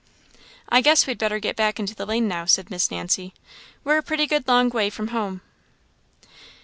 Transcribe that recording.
"I guess we'd better get back into the lane now," said Miss Nancy; "we're a pretty good long way from home."